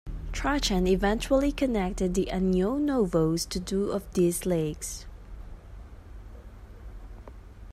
Trajan eventually connected the Anio Novus to two of these lakes.